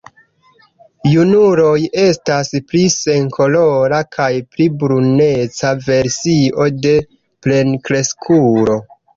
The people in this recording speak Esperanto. Junuloj estas pli senkolora kaj pli bruneca versio de plenkreskulo.